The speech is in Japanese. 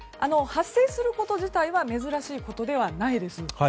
発生すること自体は珍しいことではないです。